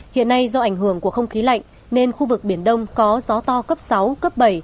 hiện nay do ảnh hưởng của không khí lạnh nên khu vực biển đông có gió to cấp sáu cấp bảy